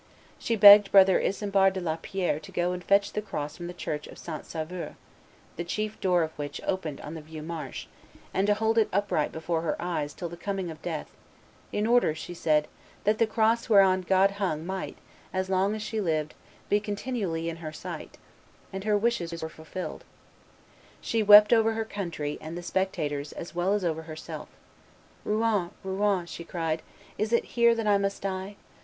She begged brother Isambard de la Pierre to go and fetch the cross from the church of St. Sauveur, the chief door of which opened on the Vieux Marche, and to hold it "upright before her eyes till the coming of death, in order," she said, "that the cross whereon God hung might, as long as she lived, be continually in her sight;" and her wishes were fulfilled. She wept over her country and the spectators as well as over herself. "Rouen, Rouen," she cried, "is it here that I must die?